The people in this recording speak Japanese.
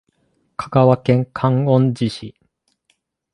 香川県観音寺市